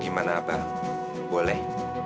gimana abah boleh